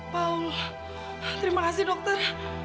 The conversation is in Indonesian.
paul terima kasih dokter